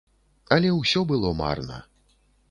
Але ўсё было марна.